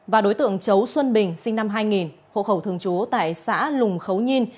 và đối tượng chấu xuân bình sinh năm hai nghìn hộ khẩu thường trú tại xã lùng khấu nhiên